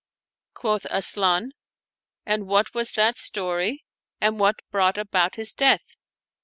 Quoth Asian, " And what was that story, and what brought about his death?